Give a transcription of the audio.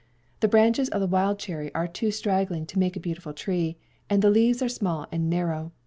The branches of the wild cherry are too straggling to make a beautiful tree, and the leaves are small and narrow.